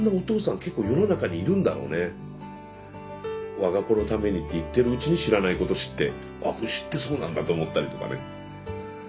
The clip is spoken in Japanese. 我が子のためにって言ってるうちに知らないこと知って「あっ虫ってそうなんだ」と思ったりとかね。